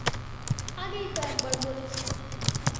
আগেই তো একবার বললেন।